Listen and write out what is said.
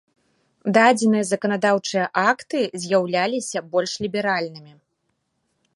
Дадзеныя заканадаўчыя акты з'яўляліся больш ліберальнымі.